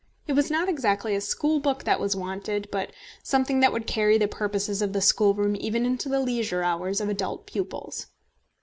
It was not exactly a school book that was wanted, but something that would carry the purposes of the school room even into the leisure hours of adult pupils.